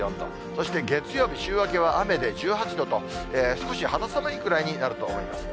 そして月曜日、週明けは雨で１８度と、少し肌寒いぐらいになると思います。